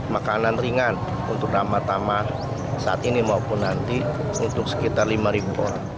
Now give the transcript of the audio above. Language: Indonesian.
makanan ringan untuk nama tambah saat ini maupun nanti untuk sekitar lima orang